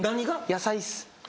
野菜っす。